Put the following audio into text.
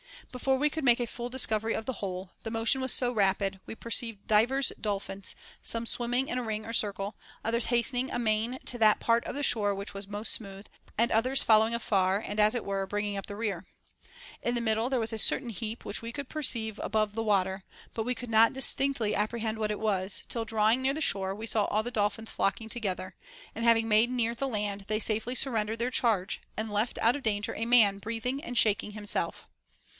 Before we could make a full discovery of the whole, the motion was so rapid, we per ceived divers dolphins, some swimming in a ring or circle, others hastening amain to that part of the shore which was most smooth, and others following after and (as it were) bringing up the rear. In the middle there was a certain 34 THE BANQUET OE THE SEVEN WISE MEN. heap which we could perceive above the water ; but we could not distinctly apprehend what it was, till drawing near the shore we saw all the dolphins flocking together, and having made near the land they safely surrendered their charge, and left out of danger a man breathing and shaking himself.